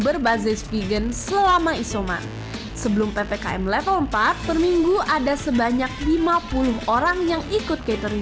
berbasis vegan selama isoman sebelum ppkm level empat per minggu ada sebanyak lima puluh orang yang ikut catering